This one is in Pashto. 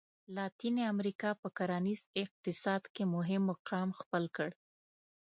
لاتیني امریکا په کرنیز اقتصاد کې مهم مقام خپل کړ.